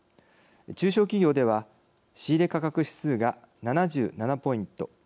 中小企業では仕入れ価格指数が７７ポイント